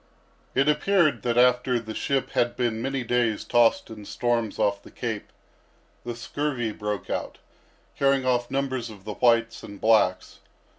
It appeared that after the ship had been many days tossed in storms off the Cape, the scurvy broke out, carrying off numbers of the whites and blacks.